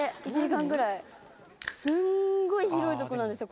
すんごい広いとこなんですよ